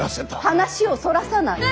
話をそらさない！